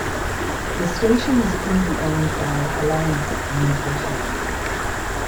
The station is currently owned by Alliance Communications.